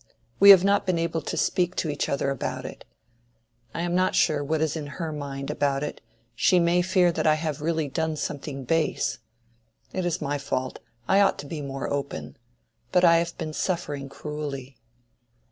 We have not been able to speak to each other about it. I am not sure what is in her mind about it: she may fear that I have really done something base. It is my fault; I ought to be more open. But I have been suffering cruelly."